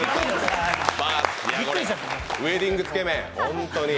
ウエディングつけ麺、ホントに。